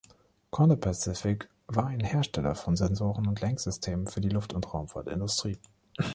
Condor Pacific war ein Hersteller von Sensoren und Lenksystemen für die Luft- und Raumfahrtindustrie.